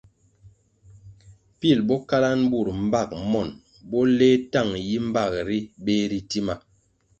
Pil bo kalanʼ bur mbag monʼ, bo leh tang yi mbag ri beh ri tima.